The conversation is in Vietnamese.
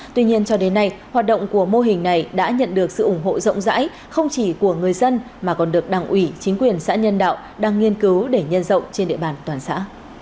tuy nhiên cho đến nay hoạt động của mô hình này đã nhận được sự ủng hộ rộng rãi không chỉ của người dân mà còn được đảng ủy chính quyền xã nhân đạo đang nghiên cứu để nhân rộng trên địa bàn toàn xã